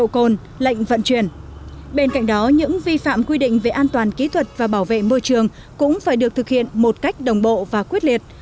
các hành vi vi phạm quy định về an toàn kỹ thuật và bảo vệ môi trường cũng phải được thực hiện một cách đồng bộ và quyết liệt